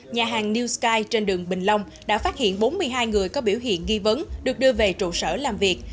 nhà hàng new sky trên đường bình long đã phát hiện bốn mươi hai người có biểu hiện ghi vấn được đưa về trụ sở làm việc